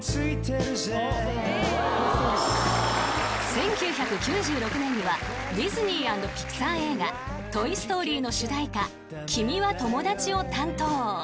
［１９９６年にはディズニー＆ピクサー映画『トイ・ストーリー』の主題歌『君はともだち』を担当］